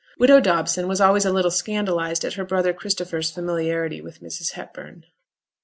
Widow Dobson was always a little scandalized at her brother Christopher's familiarity with Mrs. Hepburn.